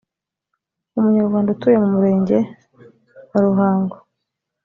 umunyarwanda utuye mu murenge wa ruhango